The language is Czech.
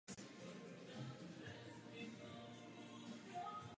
Ve funkci se snažil dojednat reformu volebního systému.